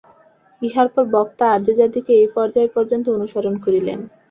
ইহার পর বক্তা আর্যজাতিকে এই পর্যায় পর্যন্ত অনুসরণ করিলেন।